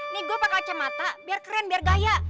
nih gue pakai kacamata biar keren biar gaya